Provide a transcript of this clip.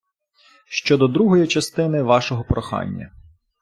Щодо другої частини вашого прохання.